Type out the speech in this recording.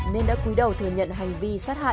nên đã cúi đầu vào bộ phận kỹ thuật hình sự